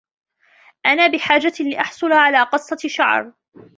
أنا بحاجة لأحصل على قَصِة شَعر.